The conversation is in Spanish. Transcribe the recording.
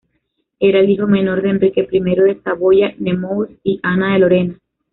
Era el hijo menor de Enrique I de Saboya-Nemours y Ana de Lorena.